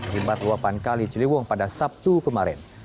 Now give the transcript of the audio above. di empat puluh delapan kali ciliwung pada sabtu kemarin